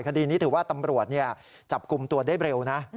คดีนี้ถือว่าตำรวจจับกลุ่มตัวได้เร็วนะ